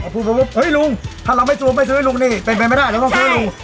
หุ้ยลุงถ้าเราไม่ซ้มไปซื้อให้ลุงนี่เป็นเป็นไม่ได้ยังต้องซื้อลุง